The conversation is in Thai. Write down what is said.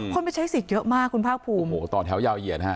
ไปใช้สิทธิ์เยอะมากคุณภาคภูมิโอ้โหต่อแถวยาวเหยียดฮะ